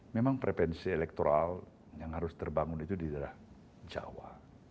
memang frevensi elektoral yang harus terbangun itu di daerah jawa